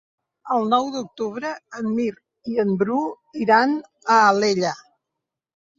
El nou d'octubre en Mirt i en Bru iran a Alella.